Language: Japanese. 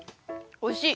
おいしい！